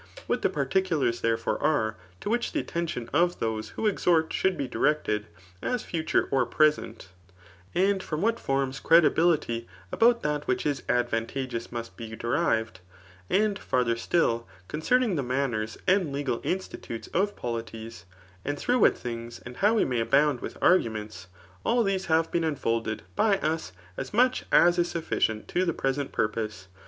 What the par« ticttlars therefore are, to which the attention of those who exhort should be directed, as future or present; and from what forms credibility^ about that which is advan tageous must be derived ; and farther still, concerning the manners and Jegal institutes of polities ; and through what things and how we may abound [with arguments,^ all these have been unfolded by us as much as is suffi * cient to die present purpose.